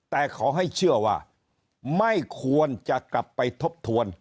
แต่ขอให้เชื่อว่าไม่ควรจะกลับไปทบทวน